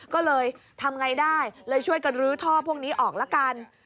ก็เลยทำไงได้เลยช่วยกันลื้อท่อพวกนี้ออกละกัน